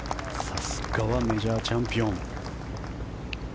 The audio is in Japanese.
さすがはメジャーチャンピオン。